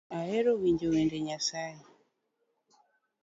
Ahero winjo wende nyasae